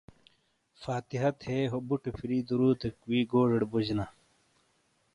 فاتحہ تھے ہو بُٹے پھِیری درودیک وی ہو گوجوڑے بوجینا۔